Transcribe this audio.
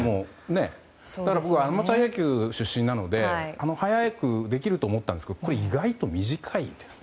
僕はアマチュア野球出身なので早くできると思ったんですけど意外と短いですね。